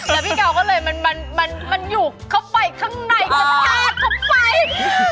แล้วพี่เกาก็เลยมันอยู่เข้าไปข้างในกระแทกเข้าไป